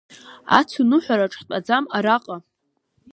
Ацуныҳәараҿ ҳтәаӡам араҟа.